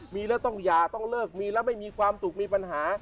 มีแล้วต้องหย่าต้องเลิกมีแล้วไม่มีความสุขมีปัญหา